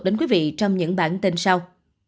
đến quý vị trong những bản tin sau